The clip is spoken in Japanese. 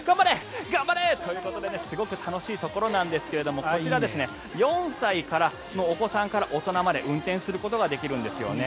頑張れ！ということですごく楽しいところなんですがこちら、４歳のお子さんから大人まで運転することができるんですね。